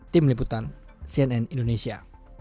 tim liputan cnn indonesia